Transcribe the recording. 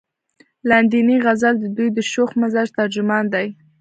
لاندينے غزل د دوي د شوخ مزاج ترجمان دے ۔